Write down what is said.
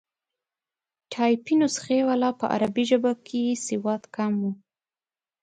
ټایپي نسخې والا په عربي ژبه کې سواد کم وو.